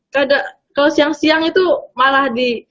kalau siang siang itu malah di